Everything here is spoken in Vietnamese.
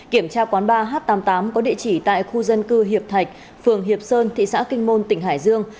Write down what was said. kiểm tra quán ba h tám mươi tám có địa chỉ tại khu dân cư hiệp thạch phường hiệp sơn thị xã kinh môn tỉnh hải dương